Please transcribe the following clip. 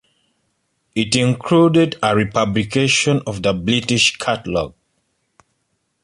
It included a republication of the British Catalogue.